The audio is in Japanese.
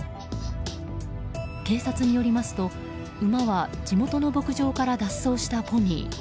警察によりますと、馬は地元の牧場から脱走したポニー。